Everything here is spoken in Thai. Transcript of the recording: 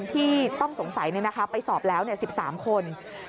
ที่ต้องสงสัยเลยนะคะไปสอบแล้ว๑๓คน